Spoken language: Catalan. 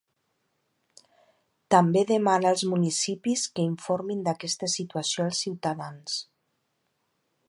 També demana als municipis que informin d’aquesta situació als ciutadans.